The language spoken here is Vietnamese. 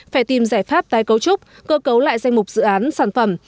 phải tìm giải pháp tái cấu trúc cơ cấu lại danh mục dự án sản phẩm